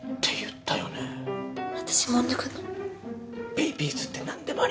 ベイビーズって何でもありなの！？